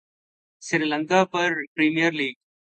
Sri Lanka Premier League